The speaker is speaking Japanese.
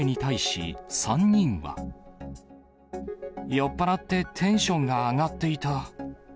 酔っ払って、テンションが上がっていた。